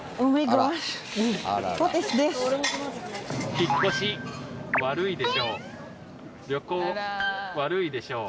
引っ越し、悪いでしょう。